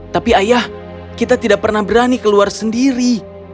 tapi ayah kita tidak pernah berani keluar sendiri